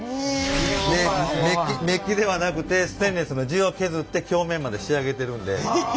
でメッキではなくてステンレスの地を削って表面まで仕上げてるんで。